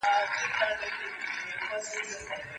په خپل کور کي یې پردی پر زورور دی